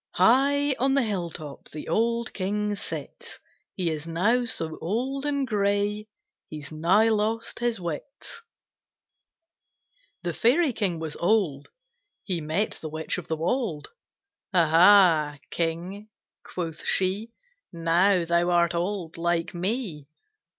"High on the hill top The old King sits; He is now so old and gray He's nigh lost his wits." THE Fairy King was old. He met the Witch of the Wold. "Ah ha, King!" quoth she, "Now thou art old like me."